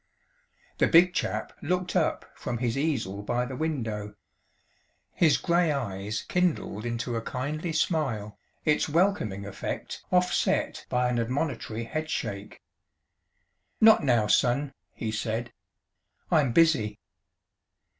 The Big Chap looked up from his easel by the window. His gray eyes kindled into a kindly smile, its welcoming effect offset by an admonitory headshake. "Not now, Son," he said. "I'm busy."